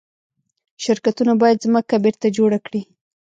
شرکتونه باید ځمکه بیرته جوړه کړي.